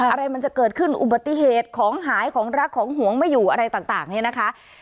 อะไรมันจะเกิดขึ้นอุบัติเหตุของหายของรักของหวงไม่อยู่อะไรต่างเนี่ยนะคะ